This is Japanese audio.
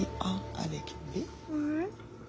うん。